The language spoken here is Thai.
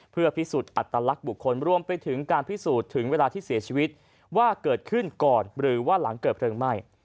เพื่อพิสูจน์อัตลักษณ์บุคคลรวมไปถึงการพิสูจน์ถึงเวลาที่เสียชีวิตว่าเกิดขึ้นก่อนหรือว่าหลังเกิดเพลิงไหม้